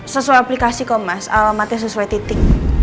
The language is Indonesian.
sesuai aplikasi kok mas alamatnya sesuai titik